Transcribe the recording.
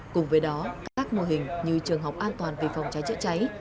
cùng với đó các mô hình như trường học an toàn vì phòng cháy chữa cháy